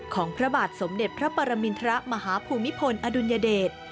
ของพระบาทสมเด็จพระปรมินทรมาฮภูมิพลอดุลยเดช